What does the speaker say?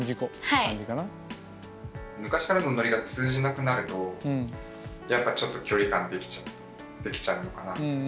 昔からのノリが通じなくなるとやっぱちょっと距離感できちゃうのかなみたいな。